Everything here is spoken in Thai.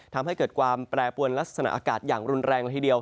ทำให้เกิดความแปรปวนลักษณะอากาศอย่างรุนแรงละทีเดียว